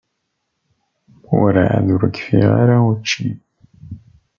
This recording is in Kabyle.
Werɛad ur kfiɣ ara učči.